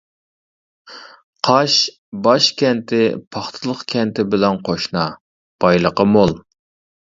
قاش باش كەنتى، پاختىلىق كەنتى بىلەن قوشنا، بايلىقى مول.